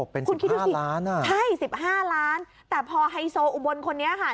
เป็น๑๕ล้านอ่ะใช่๑๕ล้านแต่พอไฮโซอุบนคนนี้ค่ะ